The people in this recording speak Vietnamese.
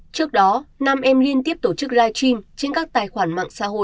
trước đó nam em liên tiếp tổ chức live stream trên các tài khoản mạng xã hội